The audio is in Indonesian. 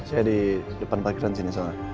saya di depan parkiran sini sama